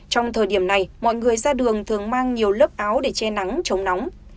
trong thời điểm này mọi người ra đường thường mang nhiều lớp áo để che nắng chống nóng